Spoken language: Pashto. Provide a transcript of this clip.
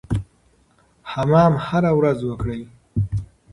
حمام هره ورځ وکړئ.